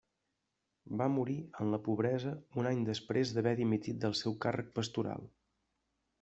Va morir en la pobresa un any després d'haver dimitit del seu càrrec pastoral.